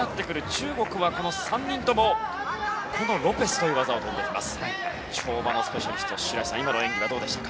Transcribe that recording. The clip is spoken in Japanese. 中国は３人ともこのロペスという技を跳んできました。